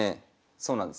そうなんです。